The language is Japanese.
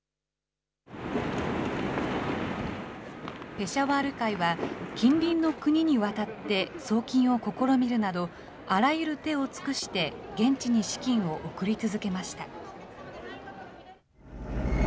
ペシャワール会は、近隣の国に渡って送金を試みるなど、あらゆる手を尽くして現地に資金を送り続けました。